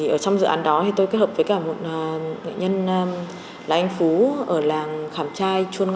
ở trong dự án đó thì tôi kết hợp với cả một nghệ nhân là anh phú ở làng khảm trai chuôn ng